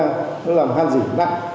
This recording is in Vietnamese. nó làm hàn dỉ nặng